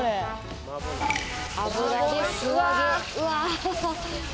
油で素揚げ。